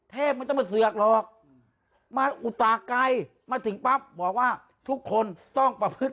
เทพมันจะเสือกหรอมาอุตสาหกัยมาถึงปั๊บบอกว่าทุกคนต้องประพฤติ